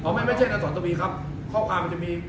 พอไม่ไม่ใช่นานสอนตุวีครับเข้าความจะมี